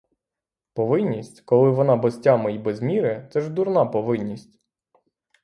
Повинність, коли вона без тями й без міри, — це ж дурна повинність.